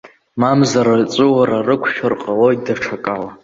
Мамзар аҵәуара рықәшәар ҟалоит даҽакала.